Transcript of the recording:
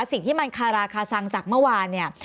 สิ่งที่มันฆะลาคาสั่งจากเมื่อวาน